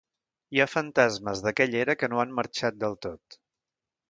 Hi ha fantasmes d’aquella era que no han marxat del tot.